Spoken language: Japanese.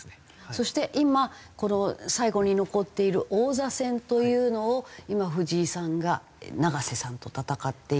そして今この最後に残っている王座戦というのを今藤井さんが永瀬さんと戦っている。